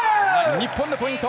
日本のポイント。